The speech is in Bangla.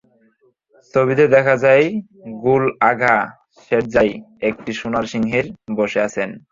ছবিতে দেখা যায়, গুল আঘা শেরজাই একটি সোনার সিংহাসনে বসে আছেন।